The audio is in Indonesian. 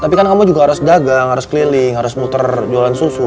tapi kan kamu juga harus dagang harus keliling harus muter jualan susu